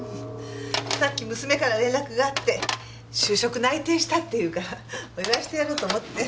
さっき娘から連絡があって就職内定したって言うからお祝いしてやろうと思って。